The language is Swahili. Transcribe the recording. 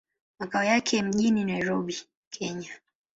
Makao yake mjini Nairobi, Kenya.